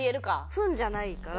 分じゃないから。